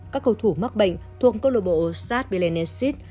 các cầu thủ mắc bệnh thuộc cơ lộ bộ sars bionicid